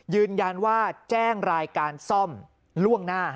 ยืนยันว่าแจ้งรายการซ่อมล่วงหน้า